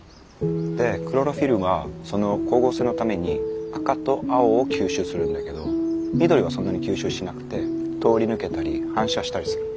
でクロロフィルはその光合成のために赤と青を吸収するんだけど緑はそんなに吸収しなくて通り抜けたり反射したりする。